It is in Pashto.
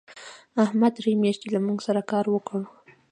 احمد درې میاشتې له موږ سره کار وکړ.